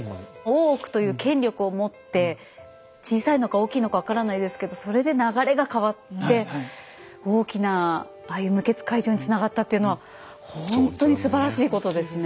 大奥という権力をもって小さいのか大きいのか分からないですけどそれで流れが変わって大きなああいう無血開城につながったっていうのはほんとにすばらしいことですね。